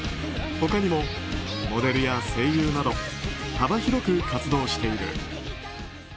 他にもモデルや声優など幅広く活動している。